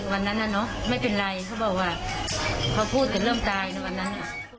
วันนั้นน่ะเนอะไม่เป็นไรเขาบอกว่าเขาพูดแต่เริ่มตายในวันนั้น